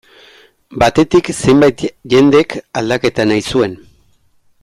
Batetik, zenbait jendek aldaketa nahi zuen.